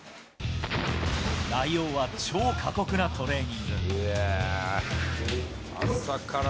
内容は超過酷なトレーニング。